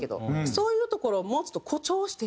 そういうところをもうちょっと誇張していったって感じ。